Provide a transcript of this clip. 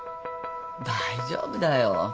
大丈夫だよ。